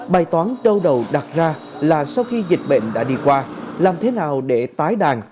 bài toán đau đầu đặt ra là sau khi dịch bệnh đã đi qua làm thế nào để tái đàn